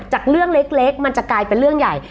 จากเรื่องเล็กมันจะกลายเป็นเรื่องใหญ่